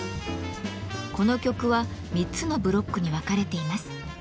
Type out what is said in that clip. この曲は３つのブロックに分かれています。